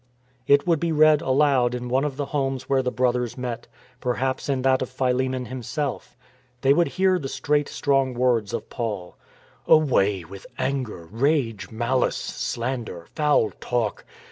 It would be read aloud in one of the homes where the Brothers met, perhaps in that of Philemon himself. They would hear the straight, strong words of Paul. " Away with anger, rage, malice, slander, foul talk.